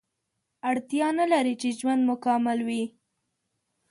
اړتیا نلري چې ژوند مو کامل وي